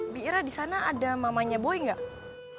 biira di sana ada mamanya boy gak